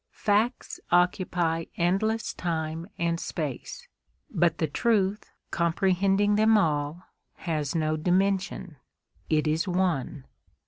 Facts occupy endless time and space; but the truth comprehending them all has no dimension; it is One.